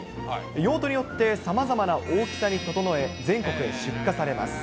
用途によって、さまざまな大きさに整え、全国へ出荷されます。